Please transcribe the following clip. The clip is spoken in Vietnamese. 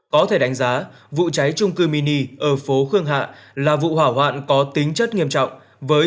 có thể đánh giá vụ cháy trung cư mini ở phố khương hạ là vụ hỏa hoạn có tính chất nghiêm trọng